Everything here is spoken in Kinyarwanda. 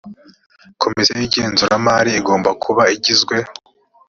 komisiyo y igenzuramari igomba kuba igizwe